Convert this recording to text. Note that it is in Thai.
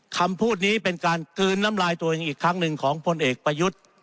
คำพูดนี้เป็นการกลืนน้ำลายตัวเองอีกครั้งหนึ่งของพลเอกประยุทธ์